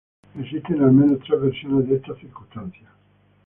Existen al menos tres versiones de estas circunstancias.